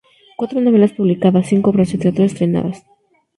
Cuatro novelas publicadas, cinco obras de teatro estrenadas.